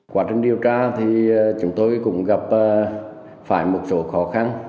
quá trình điều tra thì chúng tôi cũng gặp phải một số khó khăn